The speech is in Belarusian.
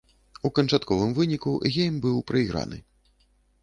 У канчатковым выніку гейм быў прайграны.